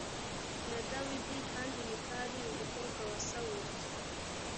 na dawidi kandi mikali umukobwa wa sawuli